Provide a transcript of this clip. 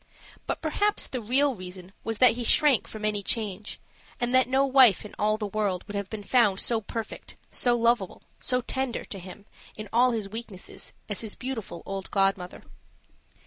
But perhaps the real reason was that he shrank from any change; and that no wife in all the world would have been found so perfect, so lovable, so tender to him in all his weaknesses as his beautiful old godmother.